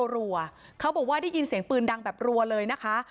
รัวเขาบอกว่าได้ยินเสียงปืนดังแบบรัวเลยนะคะ